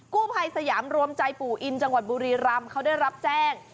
กู้ภัยสยามรวมใจปู่อินจังหวัดบุรีรำเขาได้รับแจ้ง